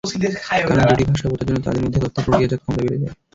কারণ, দুটি ভাষা বোঝার জন্য তাদের মধ্যে তথ্য প্রক্রিয়াজাত ক্ষমতা বেড়ে যায়।